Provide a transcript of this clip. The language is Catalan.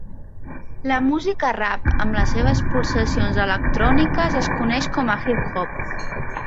La música rap, amb les seves pulsacions electròniques, es coneix com a hip-hop.